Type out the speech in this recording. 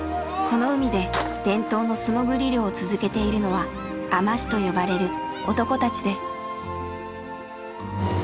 この海で伝統の素もぐり漁を続けているのは「海士」と呼ばれる男たちです。